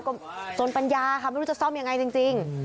ก็จนปัญญาค่ะไม่รู้จะซ่อมยังไงจริง